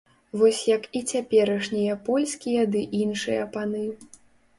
Вось як і цяперашнія польскія ды іншыя паны.